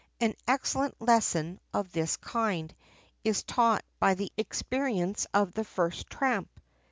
An excellent lesson of this kind, is taught by the experience of the first tramp.